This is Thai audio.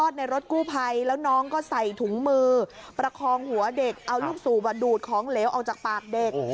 เด็กเอายุ่งสูบดูดของเหลวออกจากปากเด็ก